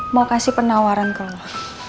mau kasih penawaran ke rumah